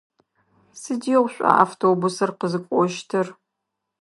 Сыдигъу шӏуа автобусыр къызыкӏощтыр?